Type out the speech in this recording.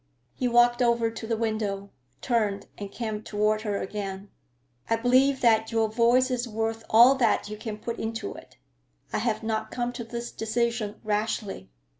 He walked over to the window, turned, and came toward her again. "I believe that your voice is worth all that you can put into it. I have not come to this decision rashly.